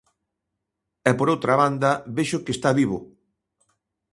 E por outra banda vexo que está vivo.